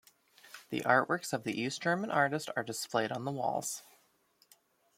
The artworks of East German artist are displayed on the walls.